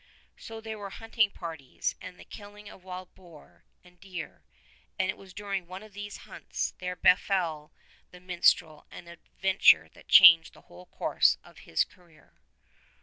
So there were hunting parties, and the killing of wild boar and deer; and it was during one of these hunts there befell the minstrel an adventure that changed the whole course of his career.